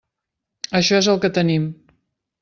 Això és el que tenim.